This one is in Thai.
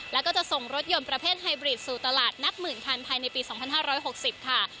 แล้วก็จะส่งรถยนต์ประเภทไฮบรีดสู่ตลาดนับหมื่นคันภายในปี๒๕๖๐ค่ะ